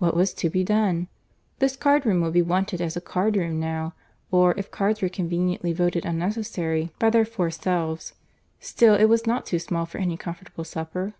What was to be done? This card room would be wanted as a card room now; or, if cards were conveniently voted unnecessary by their four selves, still was it not too small for any comfortable supper?